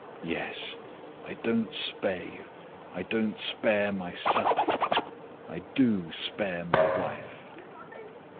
"Yes. I don't spare you. I don't spare myself. I do spare my wife."